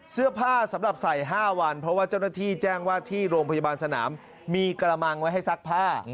เสื้อผ้าสำหรับใส่๕วันเพราะว่าเจ้าหน้าที่แจ้งว่าที่โรงพยาบาลสนามมีกระมังไว้ให้ซักผ้า